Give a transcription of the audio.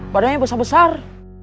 padahal yang besar besarnya